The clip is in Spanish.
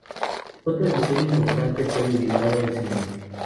Otra edición importante, fue dedicado al Sr.